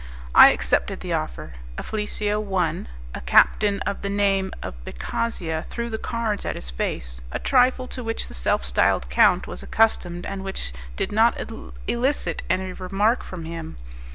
I accepted the offer. Afflisio won: a captain of the name of Beccaxia threw the cards at his face a trifle to which the self styled count was accustomed, and which did not elicit any remark from him.